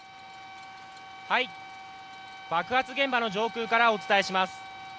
爆発現場の上空からお伝えします。